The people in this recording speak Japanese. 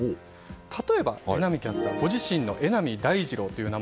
例えば、榎並キャスターご自身の榎並大二郎という名前